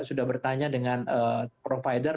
sudah bertanya dengan provider